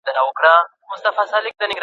تاسو باید خپل پاسپورټ چمتو کړئ.